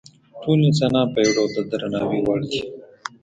ټول انسانان په یو ډول د درناوي وړ دي.